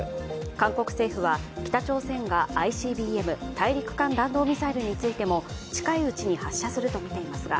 韓国政府は北朝鮮が、ＩＣＢＭ＝大陸間弾道ミサイルについても近いうちに発射するとみていますが、